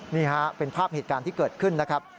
นี่ฮะเป็นภาพเหตุการณ์ที่เกิดขึ้นนะครับ